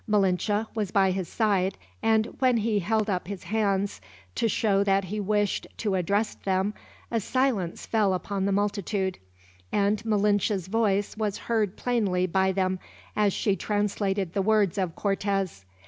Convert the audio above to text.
Malinche was by his side; and when he held up his hands, to show that he wished to address them, a silence fell upon the multitude; and Malinche's voice was heard plainly by them, as she translated the words of Cortez.